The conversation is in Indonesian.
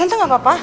tante gak apa apa